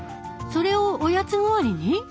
それをおやつ代わりに？